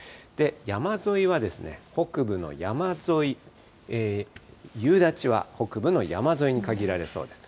山沿いは、北部の山沿い、夕立は北部の山沿いに限られそうです。